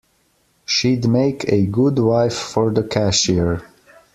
She'd make a good wife for the cashier.